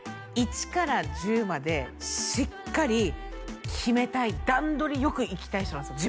１から１０までしっかり決めたい段取りよくいきたい人なんですよ